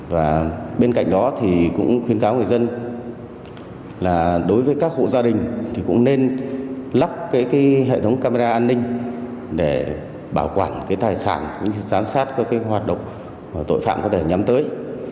và bên cạnh đó thì cũng khuyến cáo người dân là đối với các hộ gia đình thì cũng nên lắp cái hệ thống camera an ninh để bảo quản cái tài sản cũng như giám sát các hoạt động tội phạm có thể nhắm tới